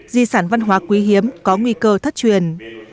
di sản văn hóa quý hiếm có nguy cơ thất truyền